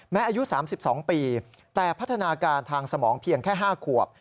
อายุ๓๒ปีแต่พัฒนาการทางสมองเพียงแค่๕ขวบ